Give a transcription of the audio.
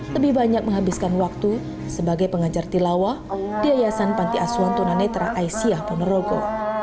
lebih banyak menghabiskan waktu sebagai pengajar tilawah di ayasan pantiasuhan tunanetra asia ponorogo